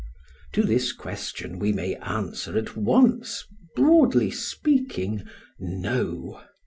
To this question we may answer at once, broadly speaking, No!